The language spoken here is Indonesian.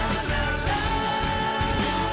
cintaku tak harus